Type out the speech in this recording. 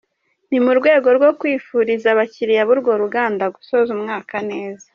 Ni mu rwego rwo kwifuriza abakiriya b'uru ruganda gusoza umwaka neza.